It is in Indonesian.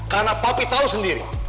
karena papi tahu sendiri